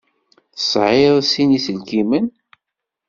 Tesεiḍ sin iselkimen?